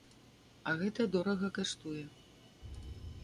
А гэта дорага каштуе.